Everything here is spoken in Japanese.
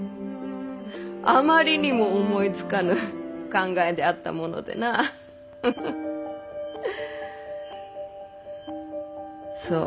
あまりにも思いつかぬ考えであったものでなそう。